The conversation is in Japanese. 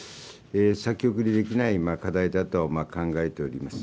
先送りできない課題だと考えております。